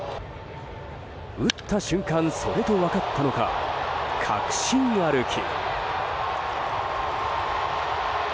打った瞬間それと分かったのか確信歩き。